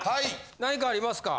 何かありますか？